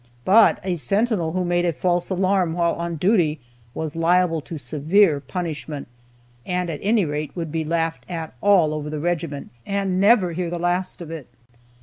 But a sentinel who made a false alarm while on duty was liable to severe punishment, and, at any rate, would be laughed at all over the regiment, and never hear the last of it.